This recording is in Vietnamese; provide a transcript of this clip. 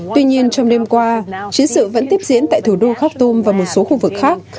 tuy nhiên trong đêm qua chiến sự vẫn tiếp diễn tại thủ đô khak tum và một số khu vực khác